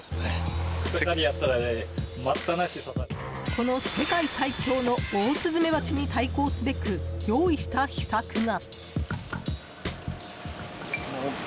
この世界最凶のオオスズメバチに対抗すべく用意した秘策が。